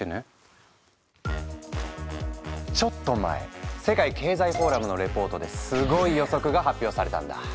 ちょっと前世界経済フォーラムのレポートですごい予測が発表されたんだ。